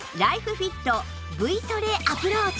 フィット Ｖ トレアプローチ